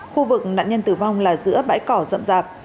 khu vực nạn nhân tử vong là giữa bãi cỏ rậm rạp